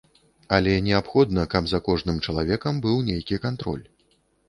Але неабходна, каб за кожным чалавекам быў нейкі кантроль.